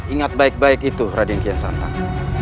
ingat baik baik itu raden kian santang